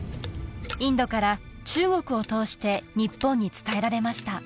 インドから中国を通して日本に伝えられました